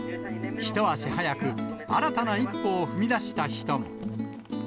一足早く新たな一歩を踏み出した人も。